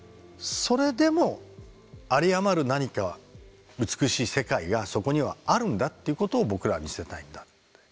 それでも有り余る何か美しい世界がそこにはあるんだっていうことを僕らは見せたいんだって。